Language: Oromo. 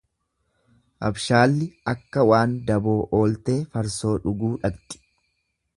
Abshaalli akka waan daboo ooltee farsoo dhuguu dhaqxi.